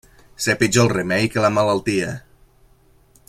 Ser pitjor el remei que la malaltia.